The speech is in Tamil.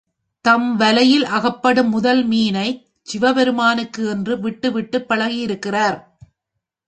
தம் வலையில் அகப்படும் முதல் மீனைச் சிவபெருமானுக்கு என்று விட்டு விட்டுப் பழகியிருக்கிறார்.